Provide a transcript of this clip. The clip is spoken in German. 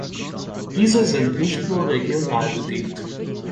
Diese sind nicht nur regional bedingt.